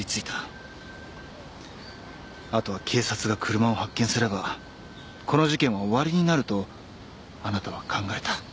あとは警察が車を発見すればこの事件は終わりになるとあなたは考えた。